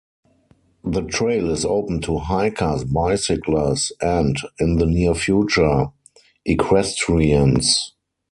The trail is open to hikers, bicyclers, and, in the near future, equestrians.